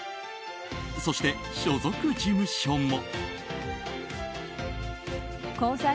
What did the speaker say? そして、所属事務所も。